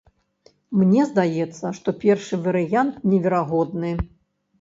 Мне здаецца, што першы варыянт неверагодны.